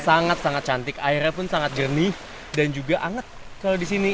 sangat sangat cantik airnya pun sangat jernih dan juga anget kalau di sini